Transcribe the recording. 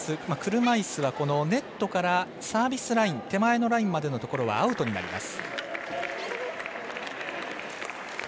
車いすはネットからサービスライン手前のラインのところはアウトになります。